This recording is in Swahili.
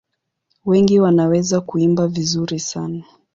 Wengi wanaweza kuimba vizuri sana.